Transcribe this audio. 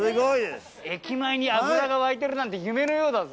駅前に脂が湧いてるなんて夢のようだぜ。